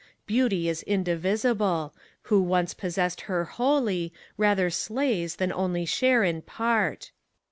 Beauty is indivisible : who once possessed Her wholly, rather slays than only share in part.